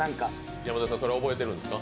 山添さんそれは覚えてるんですか？